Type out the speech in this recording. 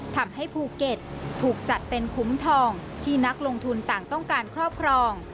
ทำให้ภูเก็ตถูกจัดเป็นคุ้มทองที่นักลงทุนต่างต้องการครอบครอง